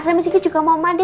saya miss iki juga mau mandi